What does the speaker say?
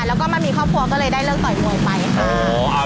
แล้วก็มามีครอบครัวก็เลยได้เลิกต่อยมวยไปค่ะ